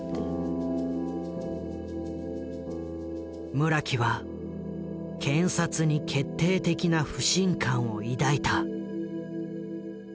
村木は検察に決定的な不信感を抱いた。